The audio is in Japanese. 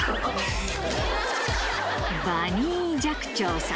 バニー寂聴さん。